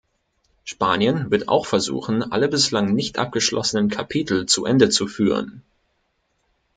Spanien wird auch versuchen, alle bislang nicht abgeschlossenen Kapitel zu Ende zu führen.